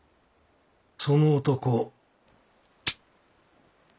その男。